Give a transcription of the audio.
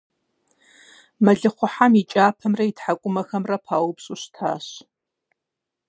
Мэлыхъуэхьэм и кӀапэмрэ и тхьэкӀумэхэмрэ паупщӀу щытащ.